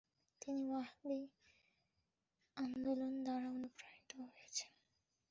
তিনি ওয়াহাবি আন্দোলন দ্বারা অনুপ্রাাণিত হয়েছিলেন ।